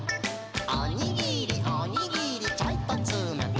「おにぎりおにぎりちょいとつめて」